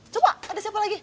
coba ada siapa lagi